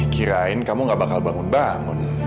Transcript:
kirain kamu gak bakal bangun bangun